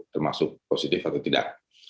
termasuk positif atau tidak